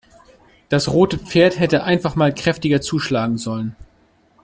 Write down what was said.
Das rote Pferd hätte einfach mal kräftiger zuschlagen sollen.